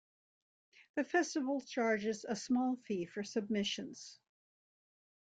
The Festival charges a small fee for submissions.